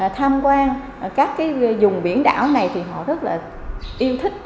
tham quan các cái vùng biển đảo này thì họ rất là yêu thích